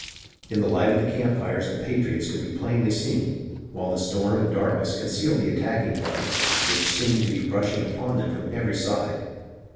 In the light of the camp fires the patriots could be plainly seen, while the storm and darkness concealed the attacking party, which seemed to be rushing upon them from every side.